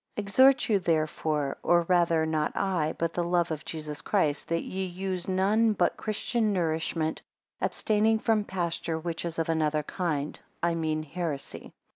EXHORT you therefore, or rather not I, but the love of Jesus Christ; that ye use none but christian nourishment; abstaining from pasture which is of another kind, I mean heresy.